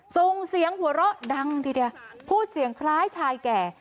ส่งเสียงหัวเราะดังทีเดียวพูดเสียงคล้ายชายแก่